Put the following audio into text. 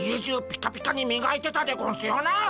ピカピカにみがいてたゴンスよなっ。